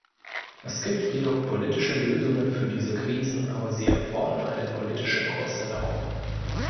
Es gibt jedoch politische Lösungen für diese Krisen, aber sie erfordern eine politische Kursänderung.